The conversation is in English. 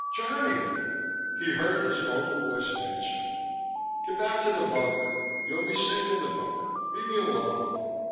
"Johnny...." He heard his own voice answering. "Get back to the bunker. You'll be safe in the bunker. Leave me alone."